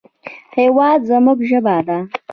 هېواد زموږ ژبه ده